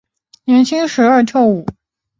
年轻时爱跳舞。